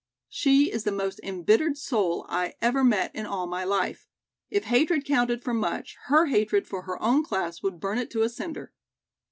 She is the most embittered soul I ever met in all my life. If hatred counted for much, her hatred for her own class would burn it to a cinder."